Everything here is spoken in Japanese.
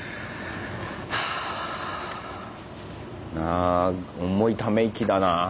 ああ重いため息だなぁ。